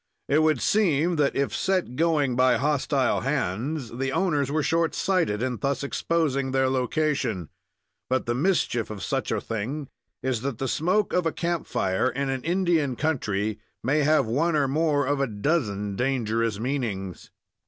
It would seem that, if set going by hostile hands, the owners were short sighted in thus exposing their location; but the mischief of such a thing is that the smoke of a camp fire in an Indian country may have one or more of a dozen dangerous meanings.